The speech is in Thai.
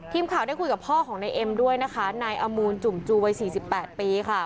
ทีมข่าวได้คุยกับพ่อของนายเอ็มด้วยนะคะนายอมูลจุ่มจูวัย๔๘ปีค่ะ